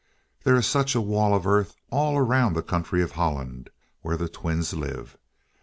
There is such a wall of earth all round the country of Holland, where the twins live.